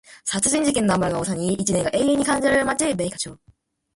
Under the current Laws, a captain may forfeit either of his side's innings.